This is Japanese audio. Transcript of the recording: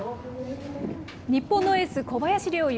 日本のエース、小林陵侑。